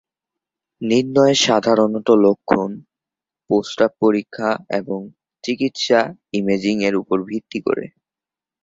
নির্ণয়ের সাধারণত লক্ষণ, প্রস্রাব পরীক্ষা, এবং চিকিৎসা ইমেজিং উপর ভিত্তি করে।